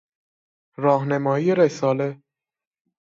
راهنمایی رساله